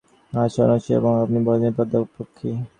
আমি সন্ন্যাসি-সম্প্রদায়ভুক্ত এবং আপনি বহুবিবাহের পক্ষপাতী।